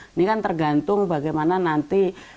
ini kan tergantung bagaimana nanti